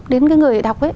đến cái người đọc ấy